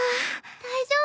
大丈夫？